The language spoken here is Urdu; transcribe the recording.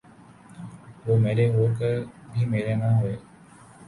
وہ مرے ہو کے بھی مرے نہ ہوئے